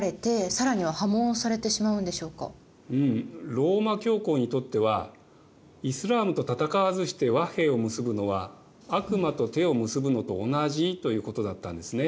ローマ教皇にとってはイスラームと戦わずして和平を結ぶのは悪魔と手を結ぶのと同じということだったんですね。